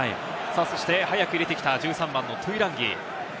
早く入れてきた１３番のトゥイランギ。